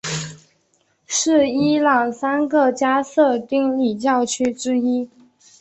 是伊朗三个加色丁礼教区之一。